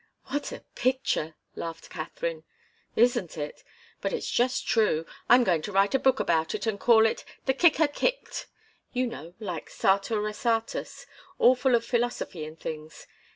"What a picture!" laughed Katharine. "Isn't it? But it's just true. I'm going to write a book about it and call it 'The Kicker Kicked' you know, like Sartor Resartus all full of philosophy and things.